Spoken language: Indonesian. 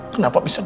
kenapa bisa begitu